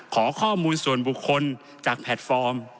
ขอข้อมูลส่วนบุคคลจากแพลตฟอร์ม